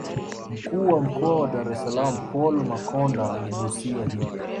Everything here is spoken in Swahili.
Mkuu wa Mkoa wa Dar es salaam Paul Makonda aligusia hilo